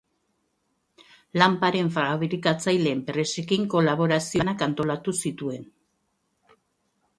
Lanparen fabrikatzaile enpresekin kolaborazio lanak antolatu zituen.